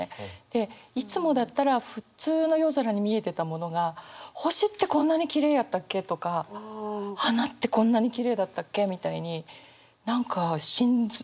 でいつもだったら普通の夜空に見えてたものが星ってこんなにきれいやったっけとか花ってこんなにきれいだったっけみたいに何か心臓。